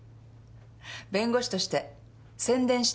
弁護士として宣伝したかった。